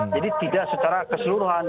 jadi tidak secara keseluruhan